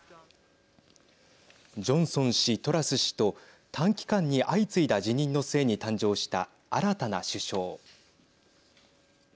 ジョンソン氏、トラス氏と短期間に相次いだ辞任の末に誕生した新たな首相。